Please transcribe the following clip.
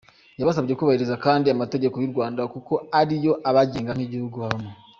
Yabasabye kubahiriza kandi amategeko y’u Rwanda kuko ariyo abagenga nk’igihugu babamo.